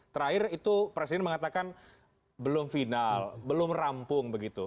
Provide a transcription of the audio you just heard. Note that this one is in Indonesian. terakhir itu presiden mengatakan belum final belum rampung begitu